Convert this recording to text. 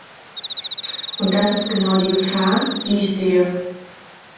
Und das ist genau die Gefahr, die ich sehe.